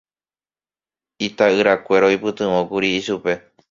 Ita'yrakuéra oipytyvõkuri ichupe